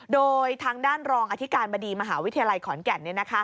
โดยทางด้านรองอธิการบดีมหาวิทยาลัยขอนแก่น